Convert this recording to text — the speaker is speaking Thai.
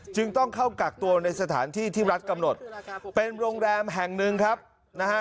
จึงต้องเข้ากักตัวในสถานที่ที่รัฐกำหนดเป็นโรงแรมแห่งหนึ่งครับนะฮะ